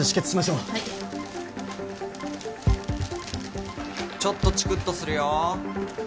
ちょっとチクッとするよ。